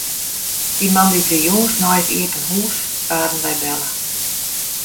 De moandeitejûns nei it iepen hús waarden wy belle.